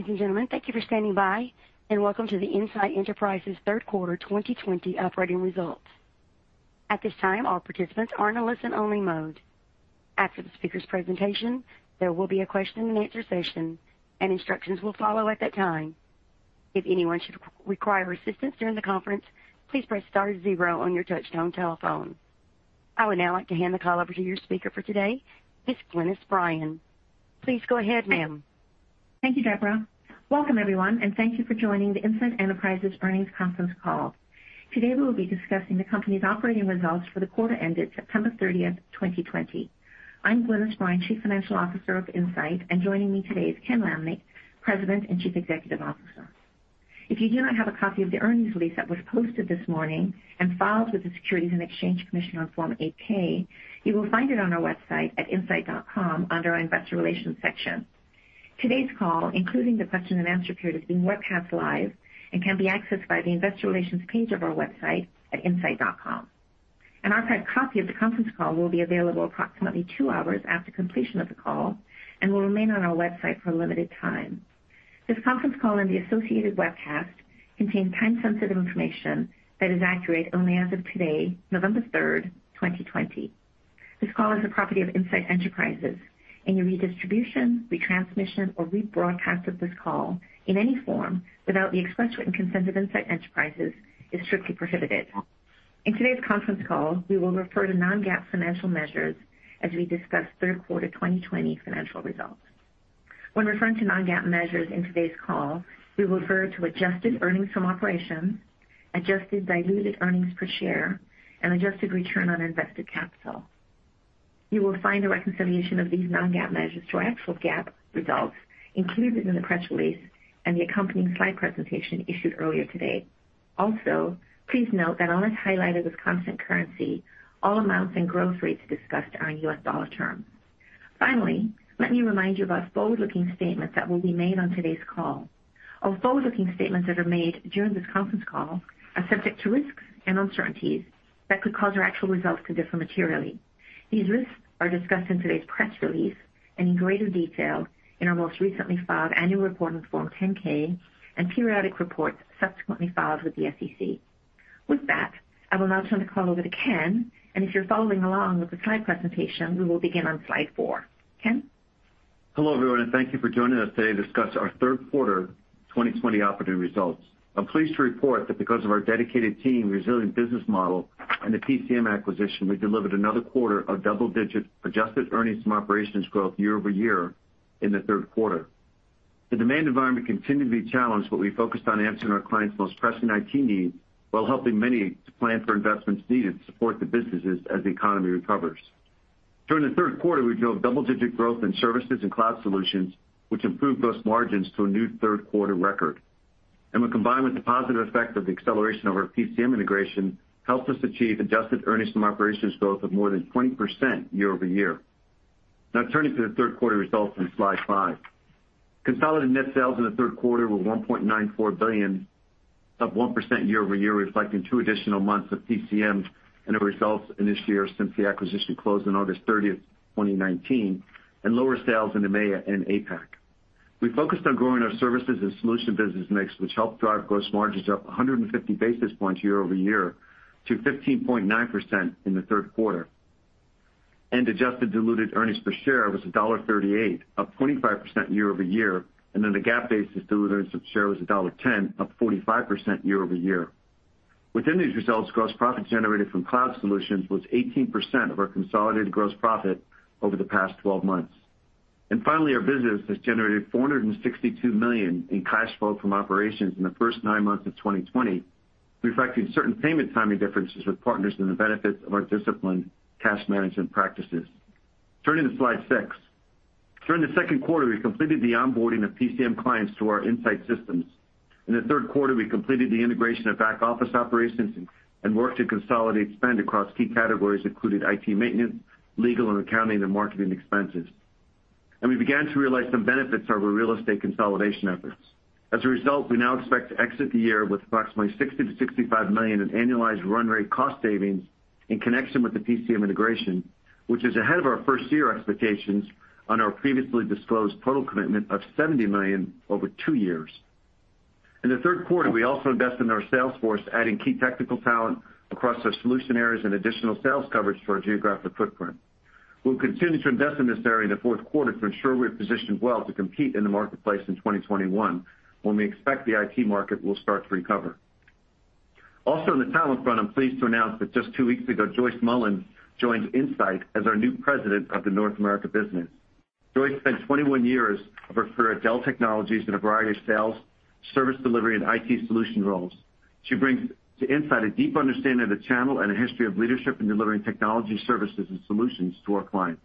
Ladies and gentlemen, thank you for standing by and welcome to the Insight Enterprises third quarter 2020 operating results. At this time, all participants are in a listen-only mode. After the speaker's presentation, there will be a question and answer session, and instructions will follow at that time. If anyone should require assistance during the conference, please press star zero on your touch-tone telephone. I would now like to hand the call over to your speaker for today, Ms. Glynis Bryan. Please go ahead, ma'am. Thank you, Deborah. Welcome everyone, and thank you for joining the Insight Enterprises earnings conference call. Today, we will be discussing the company's operating results for the quarter ended September 30th, 2020. I'm Glynis Bryan, Chief Financial Officer of Insight, and joining me today is Ken Lamneck, President and Chief Executive Officer. If you do not have a copy of the earnings release that was posted this morning and filed with the Securities and Exchange Commission on Form 8-K, you will find it on our website at insight.com under our Investor Relations section. Today's call, including the question and answer period, is being webcast live and can be accessed via the Investor Relations page of our website at insight.com. An archived copy of the conference call will be available approximately two hours after completion of the call and will remain on our website for a limited time. This conference call and the associated webcast contain time-sensitive information that is accurate only as of today, November 3rd, 2020. This call is the property of Insight Enterprises, and any redistribution, retransmission, or rebroadcast of this call in any form without the express written consent of Insight Enterprises is strictly prohibited. In today's conference call, we will refer to non-GAAP financial measures as we discuss third quarter 2020 financial results. When referring to non-GAAP measures in today's call, we will refer to adjusted earnings from operations, adjusted diluted earnings per share, and adjusted return on invested capital. You will find a reconciliation of these non-GAAP measures to our actual GAAP results included in the press release and the accompanying slide presentation issued earlier today. Also, please note that although it's highlighted as constant currency, all amounts and growth rates discussed are in U.S. dollar terms. Finally, let me remind you of our forward-looking statements that will be made on today's call. All forward-looking statements that are made during this conference call are subject to risks and uncertainties that could cause our actual results to differ materially. These risks are discussed in today's press release and in greater detail in our most recently filed annual report on Form 10-K and periodic reports subsequently filed with the SEC. With that, I will now turn the call over to Ken, and if you're following along with the slide presentation, we will begin on slide four. Ken? Hello everyone, thank you for joining us today to discuss our third quarter 2020 operating results. I'm pleased to report that because of our dedicated team, resilient business model, and the PCM acquisition, we delivered another quarter of double-digit adjusted earnings from operations growth year-over-year in the third quarter. The demand environment continued to be challenged, we focused on answering our clients' most pressing IT needs while helping many to plan for investments needed to support the businesses as the economy recovers. During the third quarter, we drove double-digit growth in services and cloud solutions, which improved gross margins to a new third-quarter record. When combined with the positive effect of the acceleration of our PCM integration, helped us achieve adjusted earnings from operations growth of more than 20% year-over-year. Turning to the third quarter results on slide five. Consolidated net sales in the third quarter were $1.94 billion, up 1% year-over-year, reflecting two additional months of PCM and the results in this year since the acquisition closed on August 30th, 2019, and lower sales in EMEA and APAC. We focused on growing our services and solution business mix, which helped drive gross margins up 150 basis points year-over-year to 15.9% in the third quarter. Adjusted diluted earnings per share was $1.38, up 25% year-over-year, and on a GAAP basis, diluted earnings per share was $1.10, up 45% year-over-year. Within these results, gross profit generated from cloud solutions was 18% of our consolidated gross profit over the past 12 months. Finally, our business has generated $462 million in cash flow from operations in the first nine months of 2020, reflecting certain payment timing differences with partners and the benefits of our disciplined cash management practices. Turning to slide six. During the second quarter, we completed the onboarding of PCM clients to our Insight systems. In the third quarter, we completed the integration of back-office operations and worked to consolidate spend across key categories, including IT maintenance, legal and accounting, and marketing expenses. We began to realize some benefits of our real estate consolidation efforts. As a result, we now expect to exit the year with approximately $60 million-$65 million in annualized run rate cost savings in connection with the PCM integration, which is ahead of our first-year expectations on our previously disclosed total commitment of $70 million over two years. In the third quarter, we also invested in our sales force, adding key technical talent across our solution areas and additional sales coverage to our geographic footprint. We'll continue to invest in this area in the fourth quarter to ensure we're positioned well to compete in the marketplace in 2021, when we expect the IT market will start to recover. Also on the talent front, I'm pleased to announce that just two weeks ago, Joyce Mullen joined Insight as our new President of the North America business. Joyce spent 21 years of her career at Dell Technologies in a variety of sales, service delivery, and IT solution roles. She brings to Insight a deep understanding of the channel and a history of leadership in delivering technology services and solutions to our clients.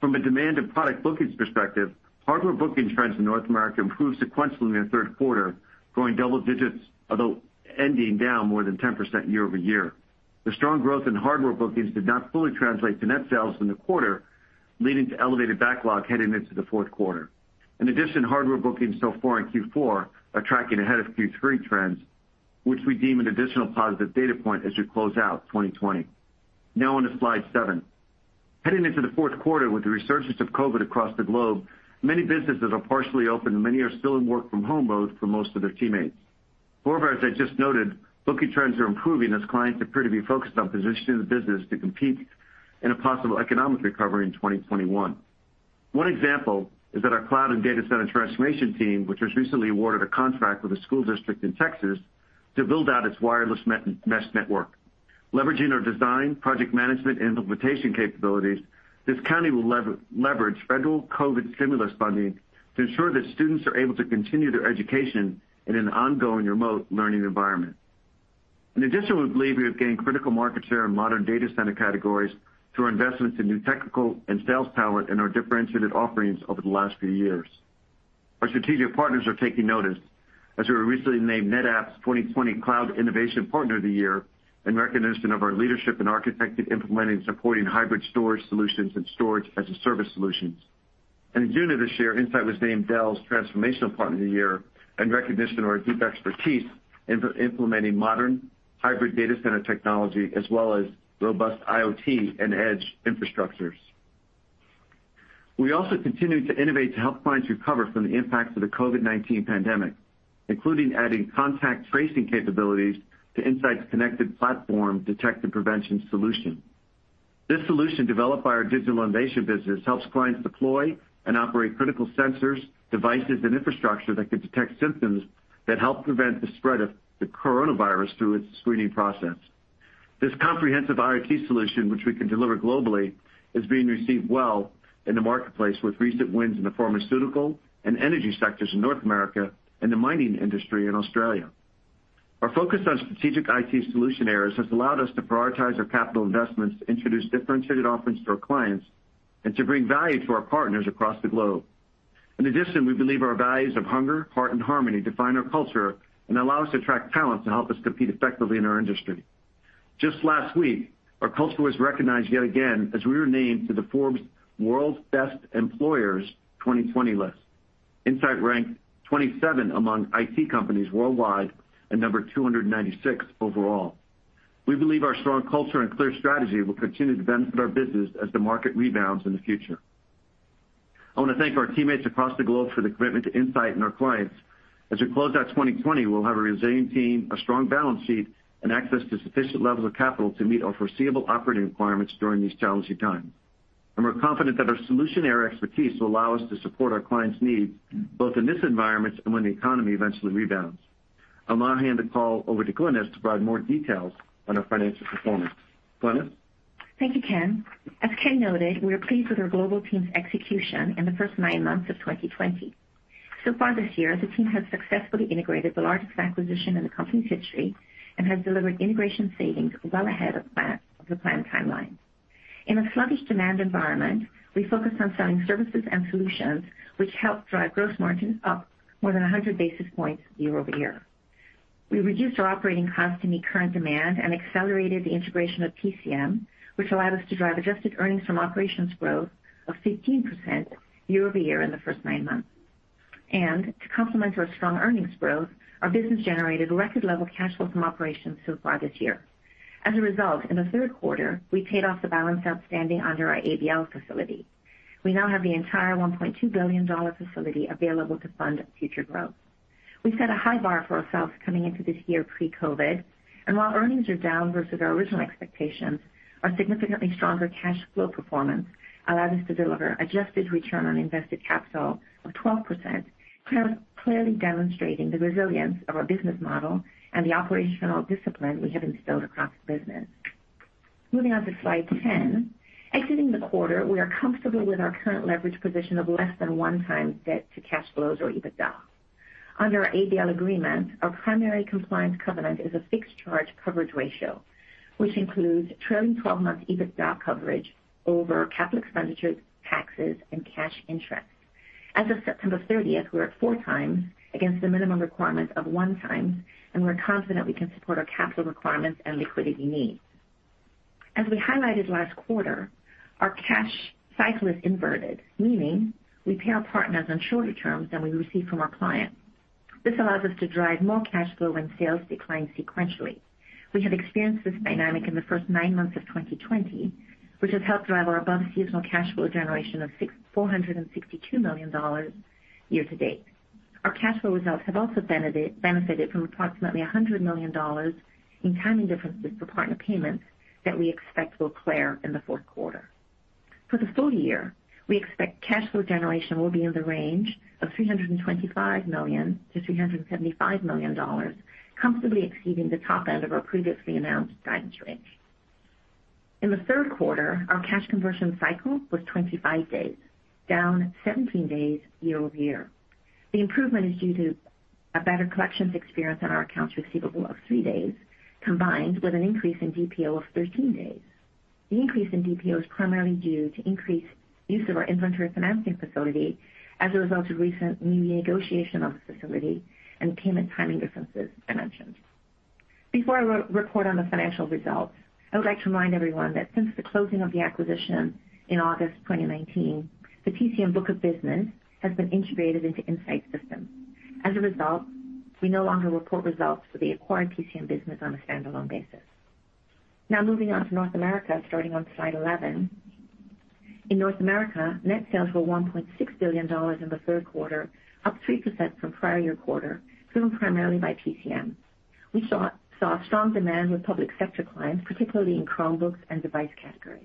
From a demand and product bookings perspective, hardware booking trends in North America improved sequentially in the third quarter, growing double digits, although ending down more than 10% year-over-year. The strong growth in hardware bookings did not fully translate to net sales in the quarter, leading to elevated backlog heading into the fourth quarter. In addition, hardware bookings so far in Q4 are tracking ahead of Q3 trends, which we deem an additional positive data point as we close out 2020. Now on to slide seven. Heading into the fourth quarter with the resurgence of COVID across the globe, many businesses are partially open, and many are still in work-from-home mode for most of their teammates. Moreover, as I just noted, booking trends are improving as clients appear to be focused on positioning the business to compete in a possible economic recovery in 2021. One example is that our cloud and data center transformation team, which was recently awarded a contract with a school district in Texas to build out its wireless mesh network. Leveraging our design, project management, and implementation capabilities, this county will leverage federal COVID stimulus funding to ensure that students are able to continue their education in an ongoing remote learning environment. In addition, we believe we have gained critical market share in modern data center categories through our investments in new technical and sales talent and our differentiated offerings over the last few years. Our strategic partners are taking notice as we were recently named NetApp's 2020 Cloud Innovation Partner of the Year, in recognition of our leadership in architecting, implementing, and supporting hybrid storage solutions and storage-as-a-service solutions. In June of this year, Insight was named Dell's Transformational Partner of the Year in recognition of our deep expertise in implementing modern hybrid data center technology as well as robust IoT and edge infrastructures. We also continue to innovate to help clients recover from the impacts of the COVID-19 pandemic, including adding contact tracing capabilities to Insight's connected platform detection prevention solution. This solution, developed by our digital innovation business, helps clients deploy and operate critical sensors, devices, and infrastructure that can detect symptoms that help prevent the spread of the coronavirus through its screening process. This comprehensive IoT solution, which we can deliver globally, is being received well in the marketplace, with recent wins in the pharmaceutical and energy sectors in North America and the mining industry in Australia. Our focus on strategic IT solution areas has allowed us to prioritize our capital investments to introduce differentiated offerings to our clients and to bring value to our partners across the globe. In addition, we believe our values of hunger, heart, and harmony define our culture and allow us to attract talent to help us compete effectively in our industry. Just last week, our culture was recognized yet again as we were named to the Forbes World's Best Employers 2020 list. Insight ranked 27 among IT companies worldwide and number 296 overall. We believe our strong culture and clear strategy will continue to benefit our business as the market rebounds in the future. I want to thank our teammates across the globe for their commitment to Insight and our clients. As we close out 2020, we'll have a resilient team, a strong balance sheet, and access to sufficient levels of capital to meet our foreseeable operating requirements during these challenging times. We're confident that our solution area expertise will allow us to support our clients' needs, both in this environment and when the economy eventually rebounds. I'll now hand the call over to Glynis to provide more details on our financial performance. Glynis? Thank you, Ken. As Ken noted, we are pleased with our global team's execution in the first nine months of 2020. So far this year, the team has successfully integrated the largest acquisition in the company's history and has delivered integration savings well ahead of the planned timeline. In a sluggish demand environment, we focused on selling services and solutions, which helped drive gross margins up more than 100 basis points year-over-year. We reduced our operating costs to meet current demand and accelerated the integration of PCM, which allowed us to drive adjusted earnings from operations growth of 15% year-over-year in the first nine months. To complement our strong earnings growth, our business generated record level cash flow from operations so far this year. As a result, in the third quarter, we paid off the balance outstanding under our ABL facility. We now have the entire $1.2 billion facility available to fund future growth. We set a high bar for ourselves coming into this year pre-COVID, and while earnings are down versus our original expectations, our significantly stronger cash flow performance allowed us to deliver adjusted return on invested capital of 12%, clearly demonstrating the resilience of our business model and the operational discipline we have instilled across the business. Moving on to slide 10. Exiting the quarter, we are comfortable with our current leverage position of less than 1x debt to cash flows or EBITDA. Under our ABL agreement, our primary compliance covenant is a fixed charge coverage ratio, which includes trailing 12-month EBITDA coverage over capital expenditures, taxes, and cash interest. As of September 30th, we're at four times against the minimum requirement of one times, and we're confident we can support our capital requirements and liquidity needs. As we highlighted last quarter, our cash cycle is inverted, meaning we pay our partners on shorter terms than we receive from our clients. This allows us to drive more cash flow when sales decline sequentially. We have experienced this dynamic in the first nine months of 2020, which has helped drive our above-seasonal cash flow generation of $462 million year to date. Our cash flow results have also benefited from approximately $100 million in timing differences for partner payments that we expect will clear in the fourth quarter. For the full year, we expect cash flow generation will be in the range of $325 million-$375 million, comfortably exceeding the top end of our previously announced guidance range. In the third quarter, our cash conversion cycle was 25 days, down 17 days year-over-year. The improvement is due to a better collections experience on our accounts receivable of three days, combined with an increase in DPO of 13 days. The increase in DPO is primarily due to increased use of our inventory financing facility as a result of recent renegotiation of the facility and the payment timing differences I mentioned. Before I report on the financial results, I would like to remind everyone that since the closing of the acquisition in August 2019, the PCM book of business has been integrated into Insight systems. We no longer report results for the acquired PCM business on a standalone basis. Now moving on to North America, starting on slide 11. In North America, net sales were $1.6 billion in the third quarter, up 3% from prior year quarter, driven primarily by PCM. We saw strong demand with public sector clients, particularly in Chromebook and device categories.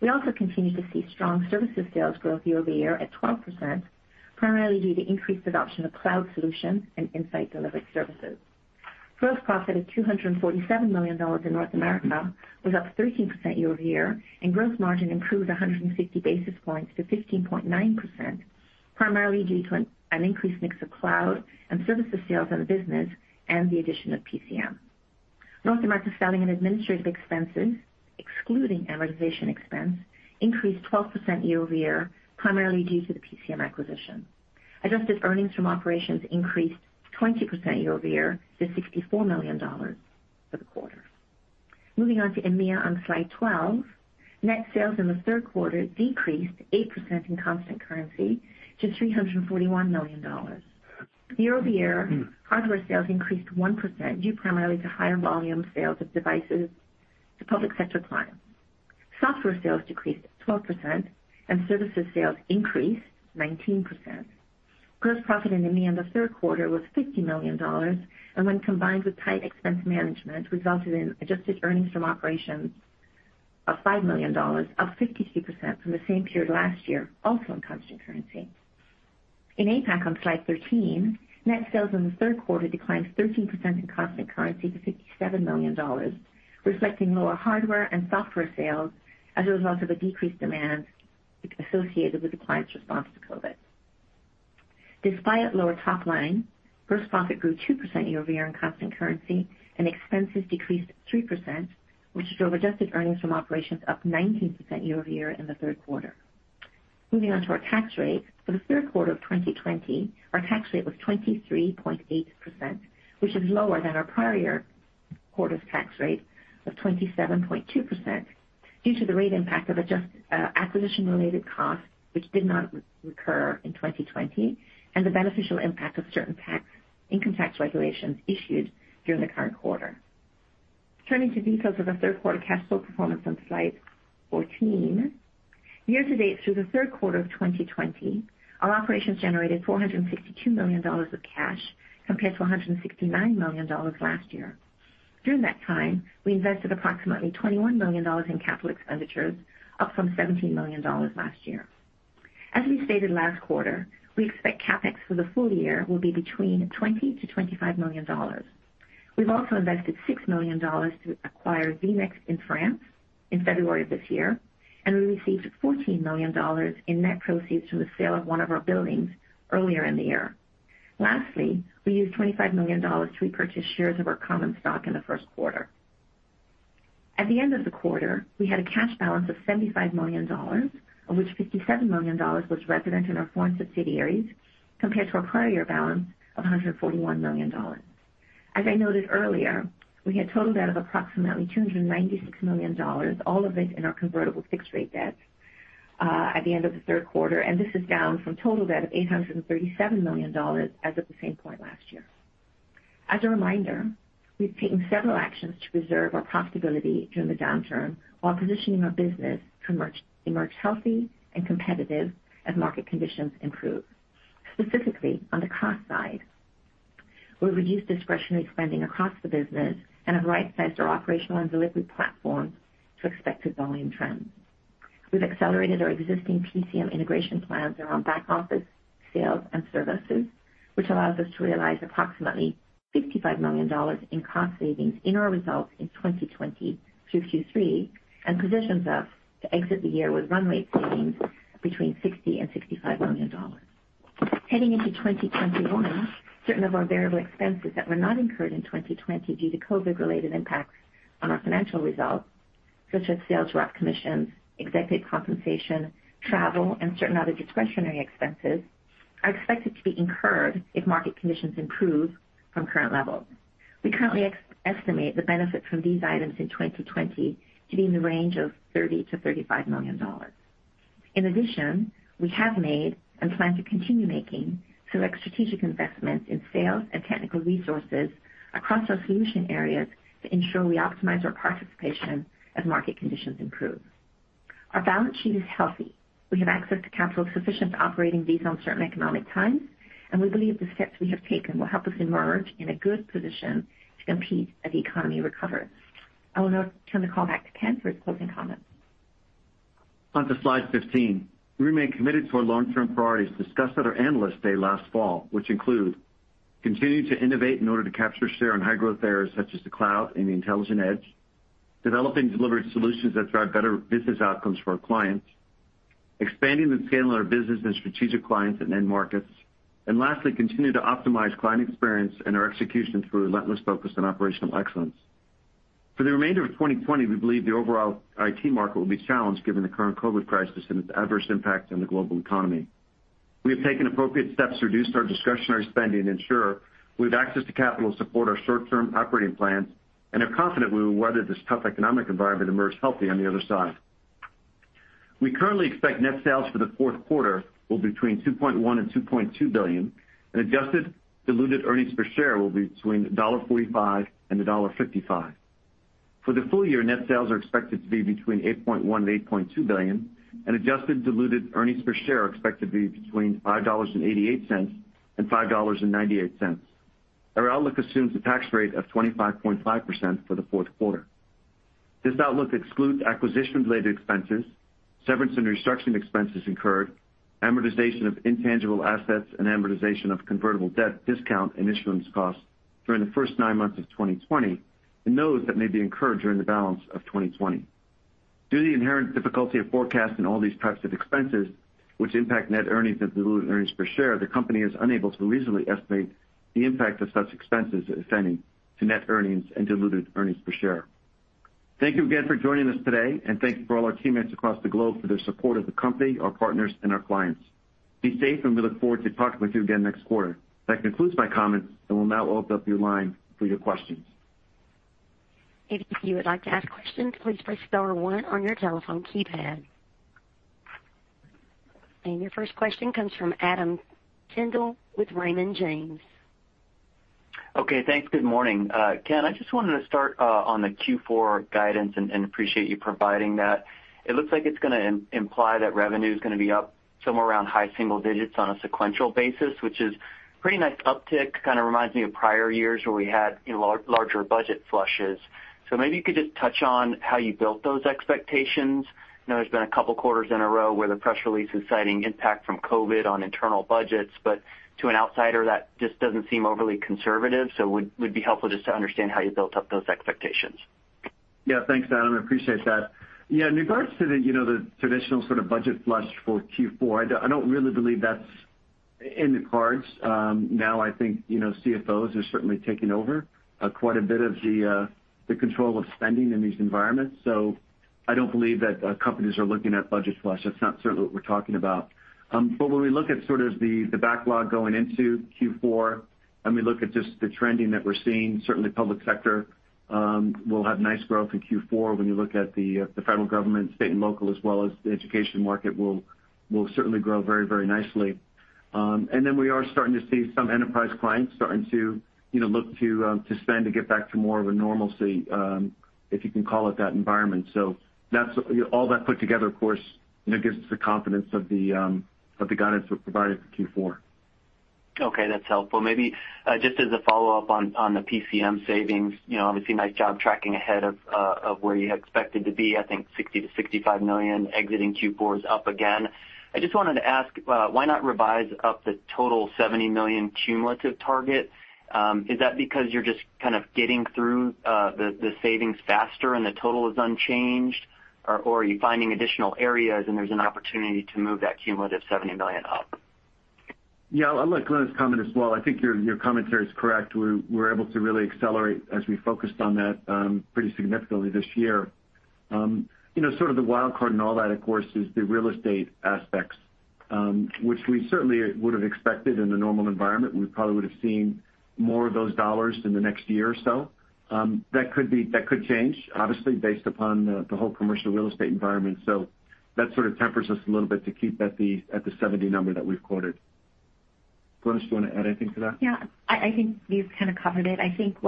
We also continue to see strong services sales growth year-over-year at 12%, primarily due to increased adoption of cloud solutions and Insight-delivered services. Gross profit of $247 million in North America was up 13% year-over-year, and gross margin improved 150 basis points to 15.9%, primarily due to an increased mix of cloud and services sales in the business and the addition of PCM. North America selling and administrative expenses, excluding amortization expense, increased 12% year-over-year, primarily due to the PCM acquisition. Adjusted earnings from operations increased 20% year-over-year to $64 million for the quarter. Moving on to EMEA on slide 12. Net sales in the third quarter decreased 8% in constant currency to $341 million. Year-over-year, hardware sales increased 1%, due primarily to higher volume sales of devices to public sector clients. Software sales decreased 12% and services sales increased 19%. Gross profit in EMEA in the third quarter was $50 million and when combined with tight expense management, resulted in adjusted earnings from operations of $5 million, up 53% from the same period last year, also in constant currency. In APAC, on slide 13, net sales in the third quarter declined 13% in constant currency to $57 million, reflecting lower hardware and software sales as a result of a decreased demand associated with the client's response to COVID. Despite lower top line, gross profit grew 2% year-over-year in constant currency and expenses decreased 3%, which drove adjusted earnings from operations up 19% year-over-year in the third quarter. Moving on to our tax rate. For the third quarter of 2020, our tax rate was 23.8%, which is lower than our prior year quarter's tax rate of 27.2% due to the rate impact of acquisition-related costs which did not recur in 2020, and the beneficial impact of certain income tax regulations issued during the current quarter. Turning to details of the third quarter cash flow performance on slide 14. Year to date through the third quarter of 2020, our operations generated $462 million of cash compared to $169 million last year. During that time, we invested approximately $21 million in capital expenditures, up from $17 million last year. As we stated last quarter, we expect CapEx for the full year will be between $20 million-$25 million. We've also invested $6 million to acquire vNext in France in February of this year, and we received $14 million in net proceeds from the sale of one of our buildings earlier in the year. Lastly, we used $25 million to repurchase shares of our common stock in the first quarter. At the end of the quarter, we had a cash balance of $75 million, of which $57 million was resident in our foreign subsidiaries, compared to our prior year balance of $141 million. As I noted earlier, we had total debt of approximately $296 million, all of it in our convertible fixed-rate debt, at the end of the third quarter, and this is down from total debt of $837 million as of the same point last year. As a reminder, we've taken several actions to preserve our profitability during the downturn while positioning our business to emerge healthy and competitive as market conditions improve. Specifically, on the cost side, we've reduced discretionary spending across the business and have right-sized our operational and delivery platforms to expected volume trends. We've accelerated our existing PCM integration plans around back office, sales, and services, which allows us to realize approximately $55 million in cost savings in our results in 2020 through Q3, and positions us to exit the year with run rate savings between $60 million and $65 million. Heading into 2021, certain of our variable expenses that were not incurred in 2020 due to COVID-related impacts on our financial results, such as sales rep commissions, executive compensation, travel, and certain other discretionary expenses, are expected to be incurred if market conditions improve from current levels. We currently estimate the benefit from these items in 2020 to be in the range of $30 million-$35 million. In addition, we have made and plan to continue making select strategic investments in sales and technical resources across our solution areas to ensure we optimize our participation as market conditions improve. Our balance sheet is healthy. We have access to capital sufficient to operate in these uncertain economic times, and we believe the steps we have taken will help us emerge in a good position to compete as the economy recovers. I will now turn the call back to Ken for his closing comments. On to slide 15. We remain committed to our long-term priorities discussed at our Analyst Day last fall, which include continuing to innovate in order to capture share in high growth areas such as the cloud and the intelligent edge, developing and delivering solutions that drive better business outcomes for our clients, expanding the scale of our business and strategic clients and end markets, and lastly, continue to optimize client experience and our execution through relentless focus on operational excellence. For the remainder of 2020, we believe the overall IT market will be challenged given the current COVID crisis and its adverse impact on the global economy. We have taken appropriate steps to reduce our discretionary spending and ensure we have access to capital to support our short-term operating plans and are confident we will weather this tough economic environment and emerge healthy on the other side. We currently expect net sales for the fourth quarter will between $2.1 billion and $2.2 billion, and adjusted diluted earnings per share will be between $1.45 and $1.55. For the full year, net sales are expected to be between $8.1 billion and $8.2 billion, and adjusted diluted earnings per share are expected to be between $5.88 and $5.98. Our outlook assumes a tax rate of 25.5% for the fourth quarter. This outlook excludes acquisition-related expenses, severance and restructuring expenses incurred, amortization of intangible assets, and amortization of convertible debt discount and issuance costs during the first nine months of 2020, and those that may be incurred during the balance of 2020. Due to the inherent difficulty of forecasting all these types of expenses, which impact net earnings and diluted earnings per share, the company is unable to reasonably estimate the impact of such expenses ascending to net earnings and diluted earnings per share. Thank you again for joining us today, and thank you for all our teammates across the globe for their support of the company, our partners, and our clients. Be safe, and we look forward to talking with you again next quarter. That concludes my comments, and we'll now open up your line for your questions. If you would like to ask questions, please press star one on your telephone keypad. Your first question comes from Adam Tindle with Raymond James. Okay. Thanks. Good morning. Ken, I just wanted to start on the Q4 guidance, appreciate you providing that. It looks like it's going to imply that revenue is going to be up somewhere around high single digits on a sequential basis, which is pretty nice uptick. Kind of reminds me of prior years where we had larger budget flushes. Maybe you could just touch on how you built those expectations. I know there's been a couple quarters in a row where the press release is citing impact from COVID on internal budgets, to an outsider, that just doesn't seem overly conservative. Would be helpful just to understand how you built up those expectations. Thanks, Adam. I appreciate that. In regards to the traditional sort of budget flush for Q4, I don't really believe that's in the cards. Now, I think, CFOs are certainly taking over, quite a bit of the control of spending in these environments. I don't believe that companies are looking at budget flush. That's not certainly what we're talking about. When we look at sort of the backlog going into Q4, and we look at just the trending that we're seeing, certainly public sector will have nice growth in Q4 when you look at the federal government, state and local, as well as the education market will certainly grow very nicely. Then we are starting to see some enterprise clients starting to look to spend to get back to more of a normalcy, if you can call it that environment. All that put together, of course, gives us the confidence of the guidance we've provided for Q4. Okay. That's helpful. Maybe just as a follow-up on the PCM savings, obviously nice job tracking ahead of where you had expected to be. I think $60 million-$65 million exiting Q4 is up again. I just wanted to ask, why not revise up the total $70 million cumulative target? Is that because you're just kind of getting through the savings faster and the total is unchanged? Or are you finding additional areas and there's an opportunity to move that cumulative $70 million up? Yeah. I'll let Glynis comment as well. I think your commentary is correct. We were able to really accelerate as we focused on that pretty significantly this year. Sort of the wild card in all that, of course, is the real estate aspects, which we certainly would have expected in a normal environment. We probably would have seen more of those dollars in the next year or so. That could change, obviously, based upon the whole commercial real estate environment. That sort of tempers us a little bit to keep at the $70 million that we've quoted. Glynis, do you want to add anything to that? I think you've kind of covered it. I think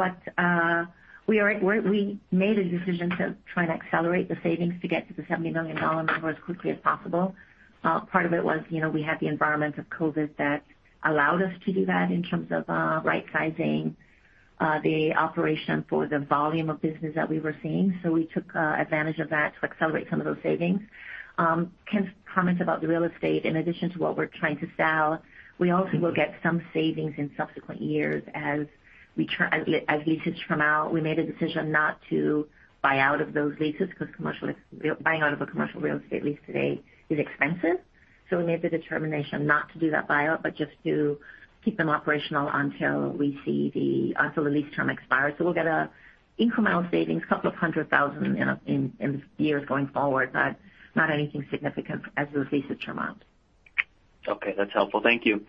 we made a decision to try and accelerate the savings to get to the $70 million number as quickly as possible. Part of it was, we had the environment of COVID that allowed us to do that in terms of right-sizing the operation for the volume of business that we were seeing. We took advantage of that to accelerate some of those savings. Ken's comment about the real estate, in addition to what we're trying to sell, we also will get some savings in subsequent years as leases turn out. We made a decision not to buy out of those leases because buying out of a commercial real estate lease today is expensive. We made the determination not to do that buyout, but just to keep them operational until the lease term expires. We'll get incremental savings, couple of $100,000 in years going forward, but not anything significant as those leases turn out. Okay. That's helpful. Thank you.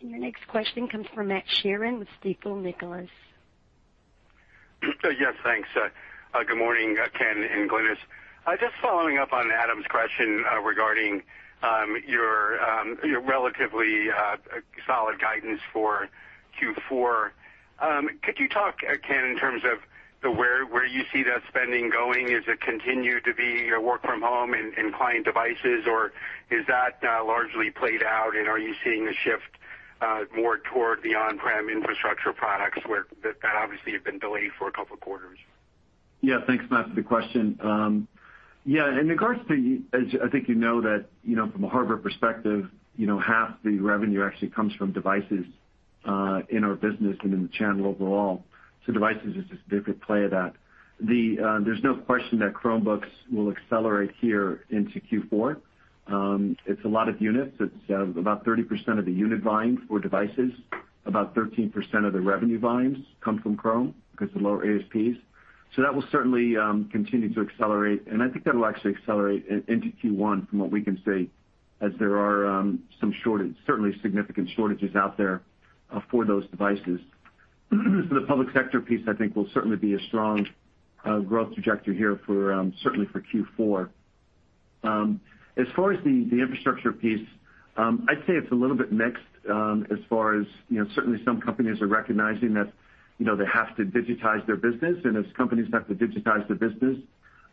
Your next question comes from Matt Sheerin with Stifel Nicolaus. Yes, thanks. Good morning, Ken and Glynis. Just following up on Adam's question regarding your relatively solid guidance for Q4. Could you talk, Ken, in terms of where you see that spending going? Is it continue to be your work from home and client devices, or is that largely played out, and are you seeing a shift more toward the on-prem infrastructure products where that obviously had been delayed for a couple of quarters? Yeah. Thanks, Matt, for the question. Yeah, in regards to, as I think you know that from a hardware perspective, half the revenue actually comes from devices in our business and in the channel overall. Devices is a significant play of that. There's no question that Chromebook will accelerate here into Q4. It's a lot of units. It's about 30% of the unit volumes for devices. About 13% of the revenue volumes come from Chrome because of the lower ASPs. That will certainly continue to accelerate, and I think that'll actually accelerate into Q1 from what we can see, as there are certainly significant shortages out there for those devices. The public sector piece, I think will certainly be a strong growth trajectory here certainly for Q4. As far as the infrastructure piece, I'd say it's a little bit mixed as far as, certainly some companies are recognizing that they have to digitize their business, and as companies have to digitize their business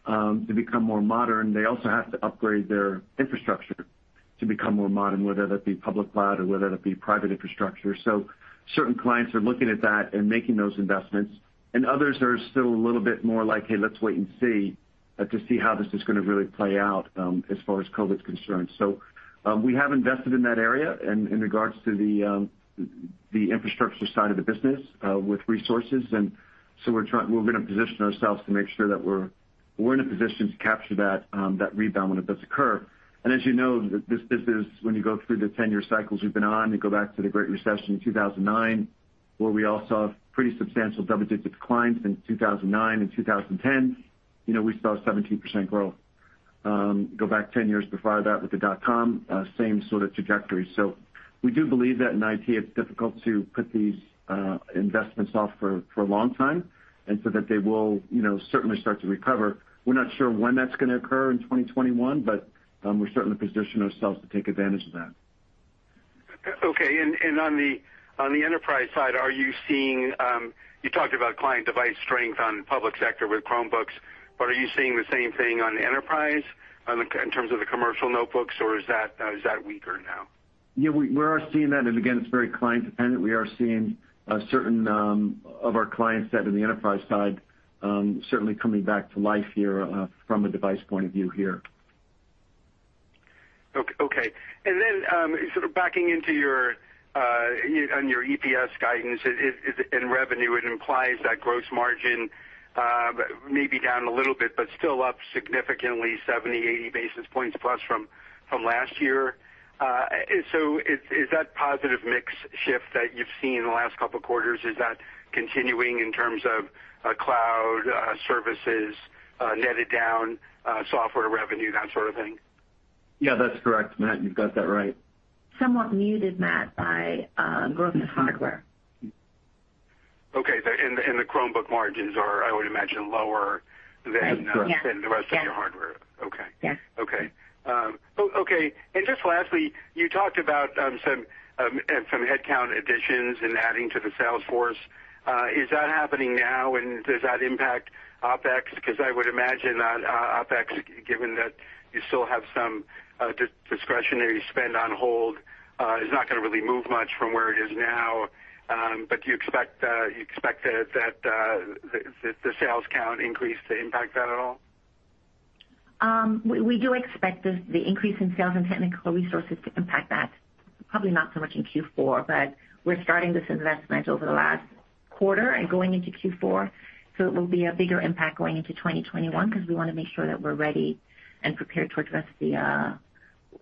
to become more modern, they also have to upgrade their infrastructure to become more modern, whether that be public cloud or whether that be private infrastructure. Certain clients are looking at that and making those investments, and others are still a little bit more like, "Hey, let's wait and see," to see how this is going to really play out, as far as COVID's concerned. We have invested in that area in regards to the infrastructure side of the business with resources, and so we're going to position ourselves to make sure that we're in a position to capture that rebound when it does occur. As you know, this business, when you go through the 10-year cycles we've been on, you go back to the Great Recession of 2009, where we all saw pretty substantial double-digit declines in 2009 and 2010. We saw 17% growth. Go back 10 years before that with the dot-com, same sort of trajectory. We do believe that in IT, it's difficult to put these investments off for a long time, and so that they will certainly start to recover. We're not sure when that's going to occur in 2021, but we're certainly positioning ourselves to take advantage of that. Okay. On the enterprise side, you talked about client device strength on the public sector with Chromebook, but are you seeing the same thing on the enterprise in terms of the commercial notebooks, or is that weaker now? Yeah, we are seeing that, and again, it's very client-dependent. We are seeing a certain of our client set in the enterprise side certainly coming back to life here from a device point of view here. Okay. Sort of backing into on your EPS guidance and revenue, it implies that gross margin may be down a little bit, but still up significantly 70 basis points, 80 basis points plus from last year. Is that positive mix shift that you've seen in the last couple of quarters, is that continuing in terms of cloud services, netted down software revenue, that sort of thing? Yeah, that's correct, Matt. You've got that right. Somewhat muted, Matt, by growth in hardware. Okay. The Chromebook margins are, I would imagine, lower- Right. Yeah. ...than the rest of your hardware. Yeah. Okay. Yeah. Okay. Just lastly, you talked about some headcount additions and adding to the sales force. Is that happening now, and does that impact OpEx? I would imagine that OpEx, given that you still have some discretionary spend on hold, is not going to really move much from where it is now. Do you expect that the sales count increase to impact that at all? We do expect the increase in sales and technical resources to impact that. Probably not so much in Q4, but we're starting this investment over the last quarter and going into Q4. It will be a bigger impact going into 2021, because we want to make sure that we're ready and prepared to address the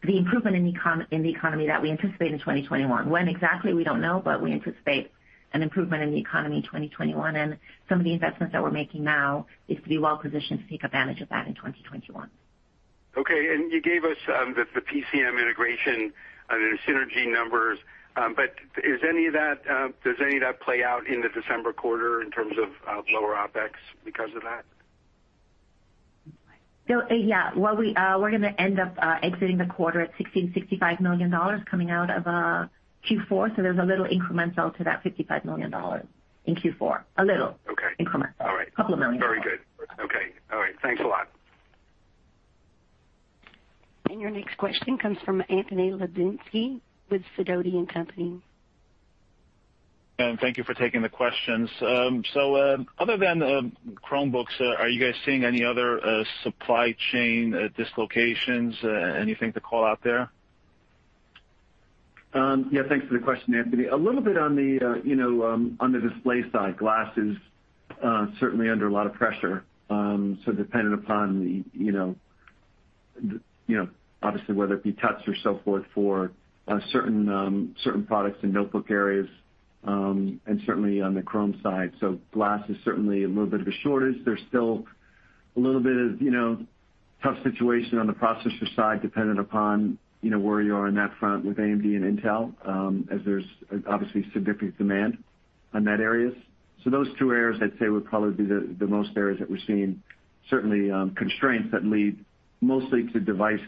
improvement in the economy that we anticipate in 2021. When exactly, we don't know, but we anticipate an improvement in the economy in 2021. Some of the investments that we're making now is to be well-positioned to take advantage of that in 2021. Okay, you gave us the PCM integration under the synergy numbers. Does any of that play out in the December quarter in terms of lower OpEx because of that? Yeah. Well, we're going to end up exiting the quarter at $60, $65 million coming out of Q4, so there's a little incremental to that $55 million in Q4. A little- Okay. ...increment. All right. $2 million. Very good. Okay. All right. Thanks a lot. Your next question comes from Anthony Lebiedzinski with Sidoti & Company. Thank you for taking the questions. Other than Chromebook, are you guys seeing any other supply chain dislocations, anything to call out there? Yeah. Thanks for the question, Anthony. A little bit on the display side. Glass is certainly under a lot of pressure. Dependent upon, obviously, whether it be touch or so forth for certain products in notebook areas, and certainly on the Chrome side. Glass is certainly a little bit of a shortage. There's still a little bit of tough situation on the processor side, dependent upon where you are on that front with AMD and Intel, as there's obviously significant demand on that areas. Those two areas, I'd say, would probably be the most areas that we're seeing, certainly constraints that lead mostly to device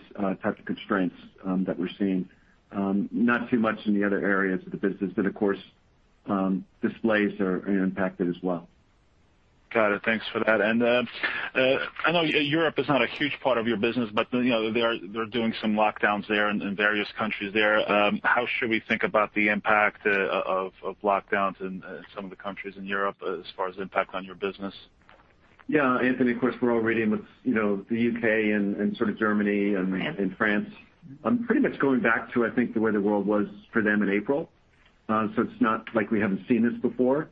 types of constraints that we're seeing. Not too much in the other areas of the business. Of course, displays are impacted as well. Got it. Thanks for that. I know Europe is not a huge part of your business, but they're doing some lockdowns there in various countries there. How should we think about the impact of lockdowns in some of the countries in Europe as far as impact on your business? Yeah, Anthony, of course, we're all reading what's the U.K. and sort of Germany and France. Pretty much going back to, I think, the way the world was for them in April. It's not like we haven't seen this before.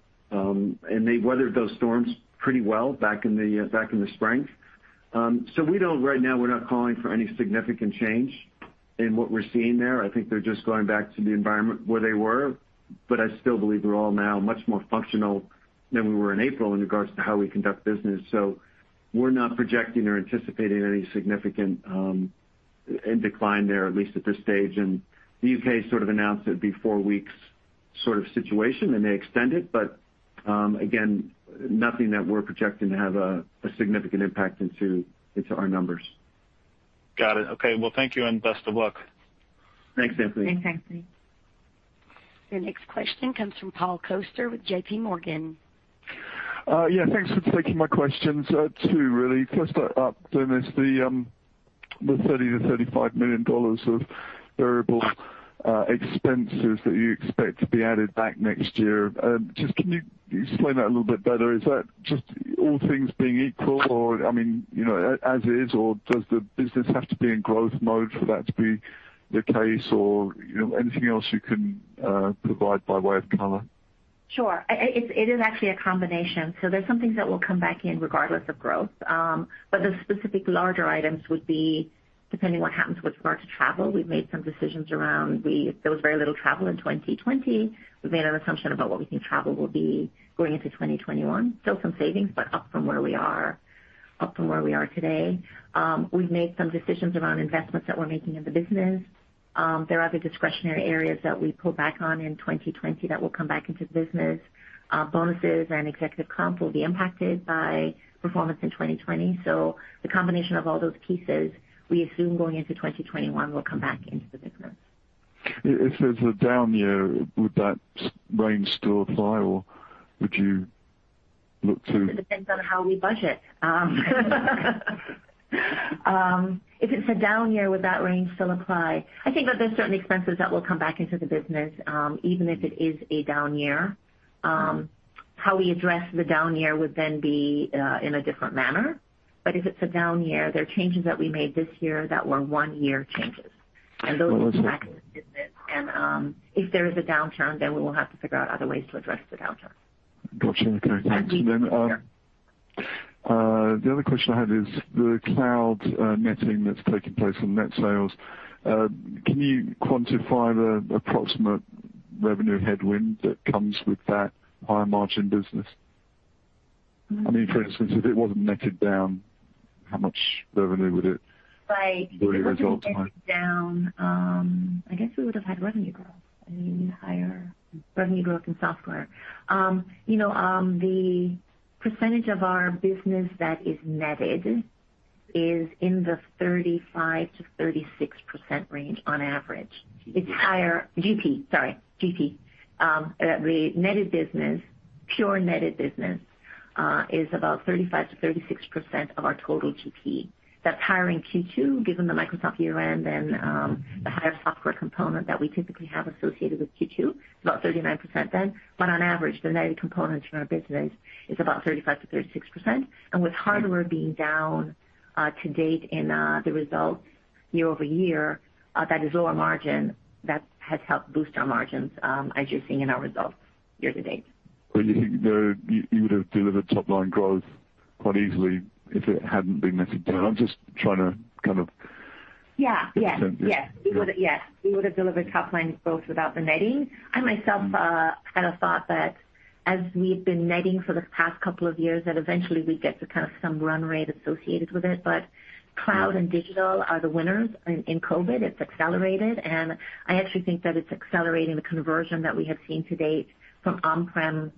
They weathered those storms pretty well back in the spring. Right now, we're not calling for any significant change in what we're seeing there. I think they're just going back to the environment where they were. I still believe we're all now much more functional than we were in April in regards to how we conduct business. We're not projecting or anticipating any significant decline there, at least at this stage. The U.K. sort of announced it'd be four weeks sort of situation, then they extend it. Again, nothing that we're projecting to have a significant impact into our numbers. Got it. Okay. Well, thank you and best of luck. Thanks, Anthony. Thanks, Anthony. Your next question comes from Paul Coster with JPMorgan. Yeah, thanks for taking my questions. Two really. First up, Glynis, the $30 million-$35 million of variable expenses that you expect to be added back next year. Just can you explain that a little bit better? Is that just all things being equal or, I mean, as is, or does the business have to be in growth mode for that to be the case? Anything else you can provide by way of color? It is actually a combination. There's some things that will come back in regardless of growth. The specific larger items would be depending what happens with regards to travel, we've made some decisions around there was very little travel in 2020. We've made an assumption about what we think travel will be going into 2021. Still some savings, but up from where we are today. We've made some decisions around investments that we're making in the business. There are other discretionary areas that we pulled back on in 2020 that will come back into the business. Bonuses and executive comp will be impacted by performance in 2020. The combination of all those pieces, we assume going into 2021, will come back into the business. If there's a down year, would that range still apply, or would you look to- It depends on how we budget. If it's a down year, would that range still apply? I think that there's certain expenses that will come back into the business, even if it is a down year. How we address the down year would be in a different manner. If it's a down year, there are changes that we made this year that were one-year changes, and those will come back into the business. If there is a downturn, we will have to figure out other ways to address the downturn. Got you. Okay. Thanks. Then- And we- The other question I had is the cloud netting that's taking place on net sales. Can you quantify the approximate revenue headwind that comes with that higher margin business? I mean, for instance, if it wasn't netted down, how much revenue would it- Right. ...deliver as a result? It wasn't netted down, I guess we would've had revenue growth, I mean, higher revenue growth in software. The percentage of our business that is netted is in the 35%-36% range on average. GP, sorry. GP. The pure netted business is about 35%-36% of our total GP. That's higher in Q2 given the Microsoft year-end and the higher software component that we typically have associated with Q2. It's about 39%. On average, the netted components from our business is about 35%-36%. With hardware being down to date in the results year-over-year, that is lower margin. That has helped boost our margins, as you're seeing in our results year to date. You think you would've delivered top-line growth quite easily if it hadn't been netted down? I'm just trying to- Yeah. ...understand this. Yes. We would've delivered top-line growth without the netting. I myself kind of thought that as we've been netting for the past couple of years, that eventually we'd get to kind of some run rate associated with it. Cloud and digital are the winners in COVID. It's accelerated, and I actually think that it's accelerating the conversion that we have seen to date from on-prem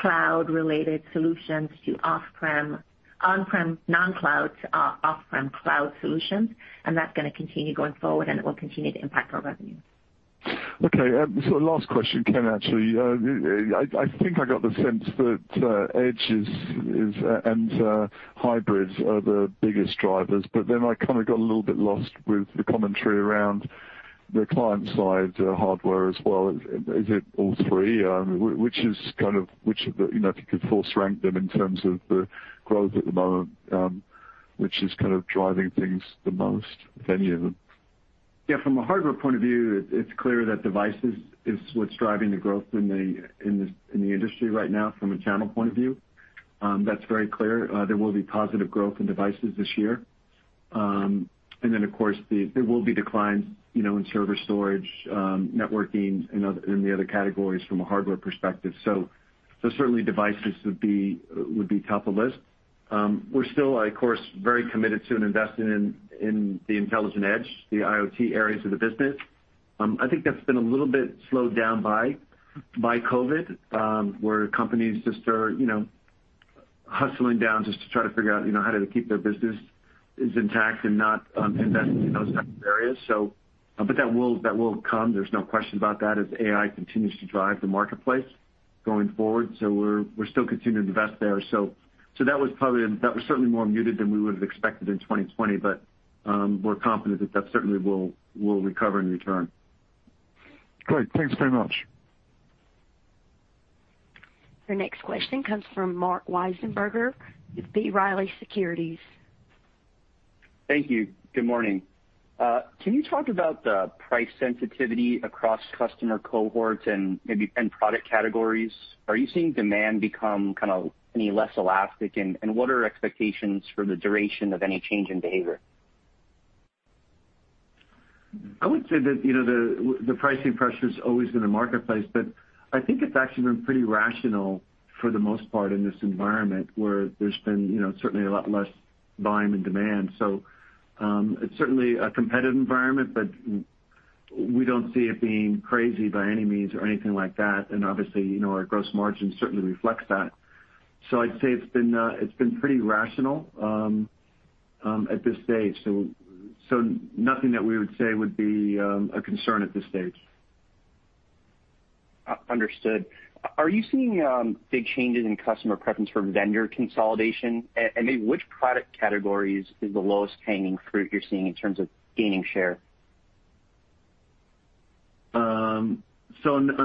cloud-related solutions to on-prem non-cloud to off-prem cloud solutions, and that's going to continue going forward, and it will continue to impact our revenue. Okay. Last question, Ken, actually. I think I got the sense that Edge and hybrid are the biggest drivers, but then I kind of got a little bit lost with the commentary around the client-side hardware as well. Is it all three? If you could force rank them in terms of the growth at the moment, which is kind of driving things the most, if any of them? Yeah. From a hardware point of view, it's clear that devices is what's driving the growth in the industry right now from a channel point of view. That's very clear. There will be positive growth in devices this year. Of course, there will be declines in server storage, networking, and the other categories from a hardware perspective. Certainly devices would be top of list. We're still, of course, very committed to and invested in the intelligent edge, the IoT areas of the business. I think that's been a little bit slowed down by COVID, where companies just are hustling down just to try to figure out how do they keep their businesses intact and not invest in those types of areas. That will come, there's no question about that, as AI continues to drive the marketplace going forward. We're still continuing to invest there. That was certainly more muted than we would've expected in 2020, but we're confident that that certainly will recover in return. Great. Thanks very much. Your next question comes from Marc Wiesenberger with B. Riley Securities. Thank you. Good morning. Can you talk about the price sensitivity across customer cohorts and maybe end product categories? Are you seeing demand become kind of any less elastic, and what are expectations for the duration of any change in behavior? I would say that the pricing pressure's always in the marketplace, but I think it's actually been pretty rational for the most part in this environment where there's been certainly a lot less volume and demand. It's certainly a competitive environment, but we don't see it being crazy by any means or anything like that. Obviously, our gross margin certainly reflects that. I'd say it's been pretty rational at this stage. Nothing that we would say would be a concern at this stage. Understood. Are you seeing big changes in customer preference for vendor consolidation? Maybe which product categories is the lowest hanging fruit you're seeing in terms of gaining share? On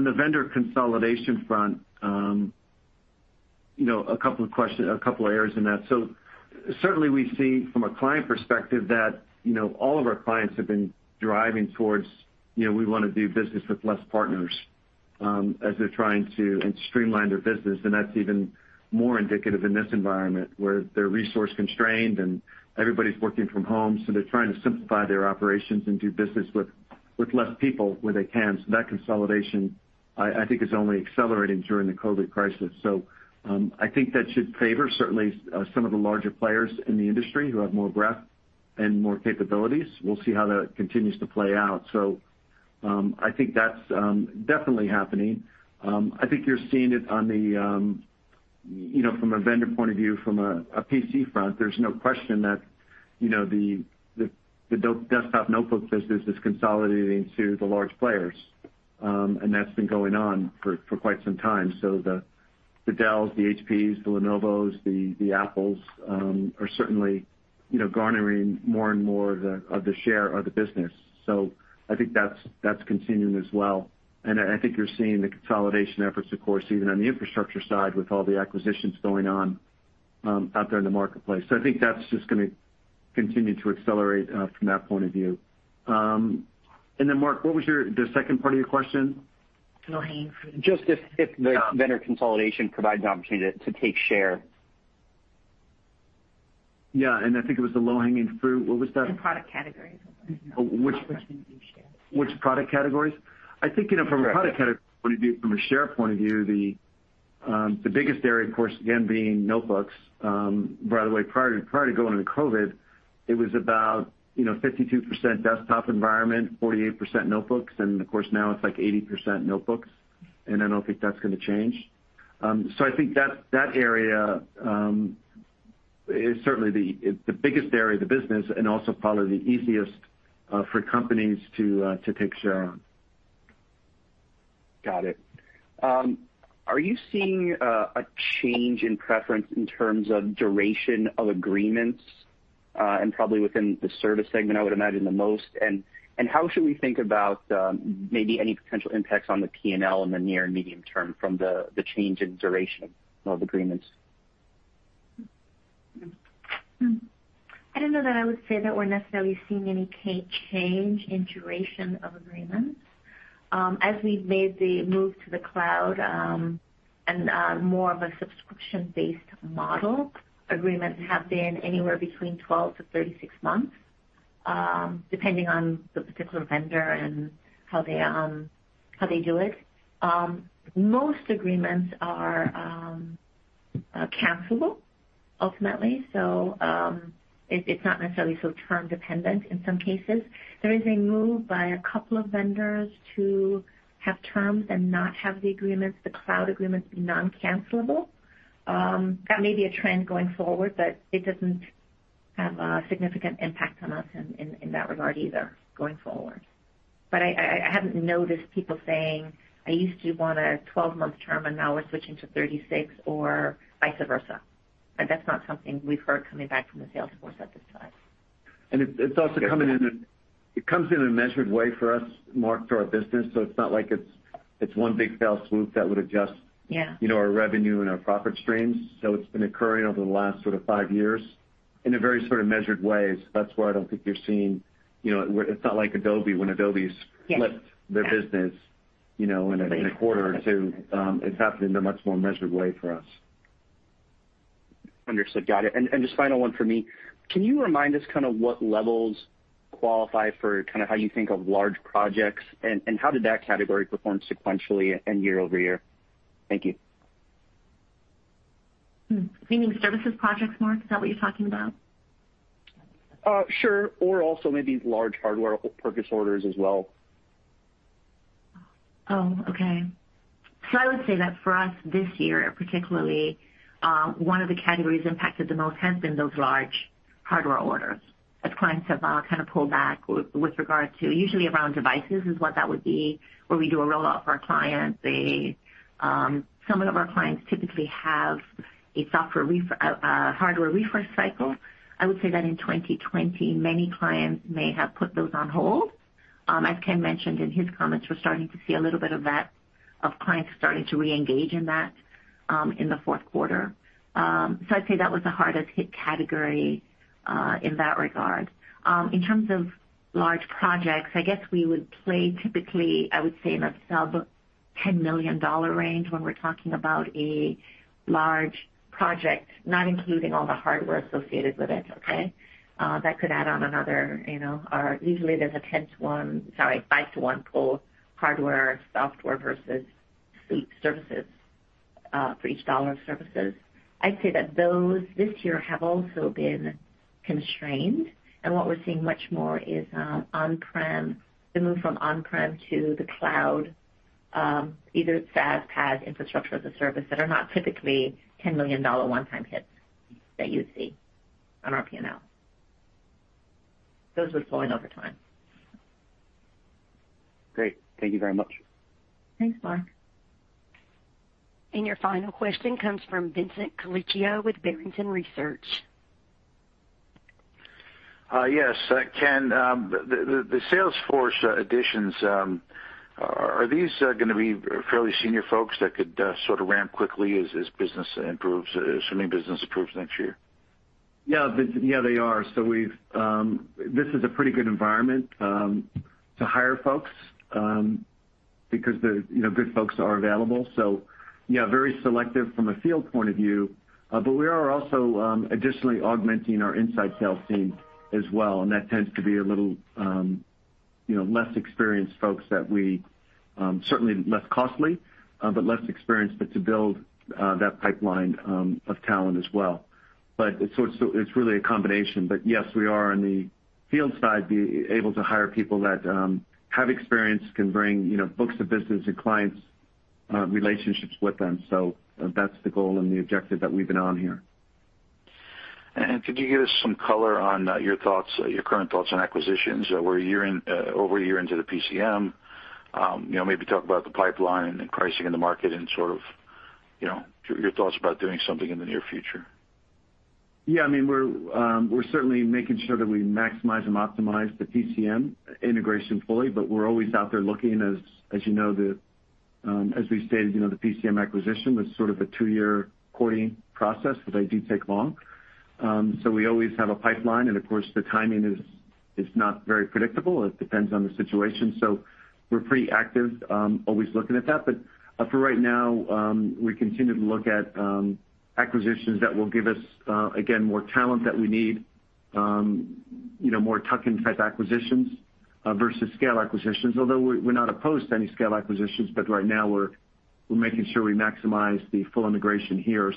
the vendor consolidation front, a couple of areas in that. Certainly we see from a client perspective that all of our clients have been driving towards, we want to do business with less partners, as they're trying to streamline their business. That's even more indicative in this environment where they're resource-constrained and everybody's working from home, so they're trying to simplify their operations and do business with less people where they can. That consolidation, I think, is only accelerating during the COVID crisis. I think that should favor, certainly, some of the larger players in the industry who have more breadth and more capabilities. We'll see how that continues to play out. I think that's definitely happening. I think you're seeing it from a vendor point of view, from a PC front. There's no question that the desktop notebook business is consolidating to the large players. That's been going on for quite some time. The Dells, the HPs, the Lenovos, the Apples are certainly garnering more and more of the share of the business. I think that's continuing as well. I think you're seeing the consolidation efforts, of course, even on the infrastructure side with all the acquisitions going on out there in the marketplace. I think that's just going to continue to accelerate from that point of view. Marc, what was the second part of your question? Low hanging fruit. Just if the vendor consolidation provides an opportunity to take share. Yeah. I think it was the low-hanging fruit. What was that? Product categories. Which product categories? I think from a product category point of view, from a share point of view, the biggest area, of course, again, being notebooks. By the way, prior to going into COVID, it was about 52% desktop environment, 48% notebooks, and of course now it's like 80% notebooks, and I don't think that's going to change. I think that area is certainly the biggest area of the business and also probably the easiest for companies to take share on. Got it. Are you seeing a change in preference in terms of duration of agreements, probably within the service segment, I would imagine the most? How should we think about maybe any potential impacts on the P&L in the near and medium term from the change in duration of agreements? I don't know that I would say that we're necessarily seeing any change in duration of agreements. As we've made the move to the cloud, and more of a subscription-based model, agreements have been anywhere between 12 to 36 months, depending on the particular vendor and how they do it. Most agreements are cancelable ultimately, so it's not necessarily so term-dependent in some cases. There is a move by a couple of vendors to have terms and not have the cloud agreements be non-cancelable. That may be a trend going forward, but it doesn't have a significant impact on us in that regard either going forward. I haven't noticed people saying, "I used to want a 12-month term, and now we're switching to 36," or vice versa. That's not something we've heard coming back from the sales force at this time. It comes in a measured way for us, Marc, to our business. It's not like it's one big fell swoop that would adjust- Yeah. ...our revenue and our profit streams. It's been occurring over the last sort of five years in a very sort of measured way. That's why I don't think you're seeing. It's not like Adobe when Adobe flipped their business in a quarter or two. It's happened in a much more measured way for us. Understood. Got it. Just final one from me. Can you remind us what levels qualify for how you think of large projects, and how did that category perform sequentially and year-over-year? Thank you. Meaning services projects, Marc? Is that what you're talking about? Sure. Also maybe large hardware purchase orders as well. Okay. I would say that for us this year, particularly, one of the categories impacted the most has been those large hardware orders, as clients have kind of pulled back with regard to usually around devices is what that would be, where we do a rollout for our clients. Some of our clients typically have a hardware refresh cycle. I would say that in 2020, many clients may have put those on hold. As Ken mentioned in his comments, we're starting to see a little bit of clients starting to reengage in that in the fourth quarter. I'd say that was the hardest hit category in that regard. In terms of large projects, I guess we would play typically, I would say, in a sub-$10 million range when we're talking about a large project, not including all the hardware associated with it, okay. Usually, there's a 5:1 pull, hardware, software versus suite services, for each $1 of services. I'd say that those this year have also been constrained, and what we're seeing much more is the move from on-prem to the cloud, either SaaS, PaaS, Infrastructure as a Service, that are not typically $10 million one-time hits that you'd see on our P&L. Those are slowing over time. Great. Thank you very much. Thanks, Marc. Your final question comes from Vincent Colicchio with Barrington Research. Yes. Ken, the sales force additions, are these going to be fairly senior folks that could sort of ramp quickly as business improves, assuming business improves next year? Yeah, they are. This is a pretty good environment to hire folks, because good folks are available. Yeah, very selective from a field point of view. We are also additionally augmenting our inside sales team as well, and that tends to be a little less experienced folks, certainly less costly, but less experienced, but to build that pipeline of talent as well. It's really a combination. Yes, we are, on the field side, able to hire people that have experience, can bring books of business and clients, relationships with them. That's the goal and the objective that we've been on here. Could you give us some color on your current thoughts on acquisitions? We're a year into the PCM. Maybe talk about the pipeline and pricing in the market and sort of your thoughts about doing something in the near future. Yeah. We're certainly making sure that we maximize and optimize the PCM integration fully. We're always out there looking. As we stated, the PCM acquisition was sort of a two-year courting process. They do take long. We always have a pipeline, and of course, the timing is not very predictable. It depends on the situation. We're pretty active, always looking at that. For right now, we continue to look at acquisitions that will give us, again, more talent that we need, more tuck-in type acquisitions versus scale acquisitions. We're not opposed to any scale acquisitions. Right now, we're making sure we maximize the full integration here.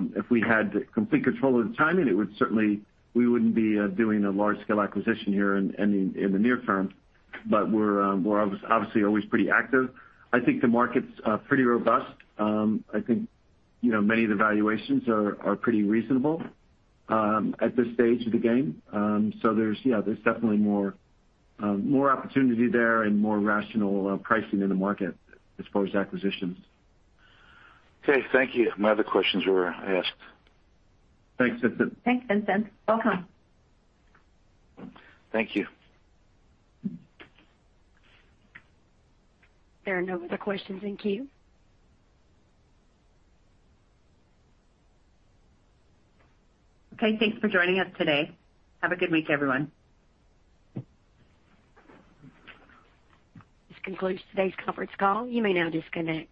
If we had complete control of the timing, we wouldn't be doing a large-scale acquisition here in the near term. We're obviously always pretty active. I think the market's pretty robust. I think many of the valuations are pretty reasonable at this stage of the game. There's definitely more opportunity there and more rational pricing in the market as far as acquisitions. Okay, thank you. My other questions were asked. Thanks, Vincent. Thanks, Vincent. Welcome. Thank you. There are no other questions in queue. Okay, thanks for joining us today. Have a good week, everyone. This concludes today's conference call. You may now disconnect.